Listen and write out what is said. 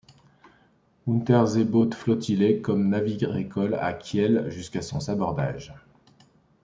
Unterseebootsflottille comme navire-école à Kiel jusqu'à son sabordage.